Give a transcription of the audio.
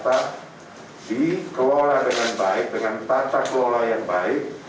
tetap dikelola dengan baik dengan tata kelola yang baik